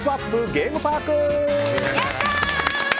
ゲームパーク！